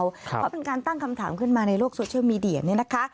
เพราะเป็นการตั้งคำถามขึ้นมาในโลกโซเชียลมีเดียเนี่ยนะคะ